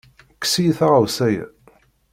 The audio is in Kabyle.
Kkes-iyi taɣawsa-ya!